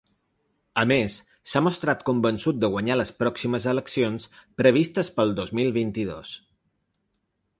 A més, s’ha mostrat convençut de guanyar les pròximes eleccions, previstes pel dos mil vint-i-dos.